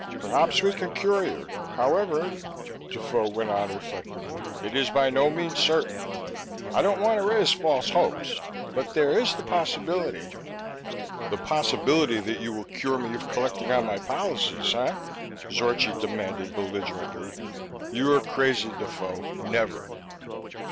"Perhaps we can cure you, however," Defoe went on reflectively. "It is by no means certain. I don't want to raise false hopes. But there is the possibility " "The possibility that you will cure me of collecting on my policies, eh?" Zorchi demanded belligerently. "You are crazy, Defoe. Never!"